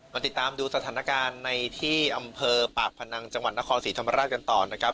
ติดตามดูสถานการณ์ในที่อำเภอปากพนังจังหวัดนครศรีธรรมราชกันต่อนะครับ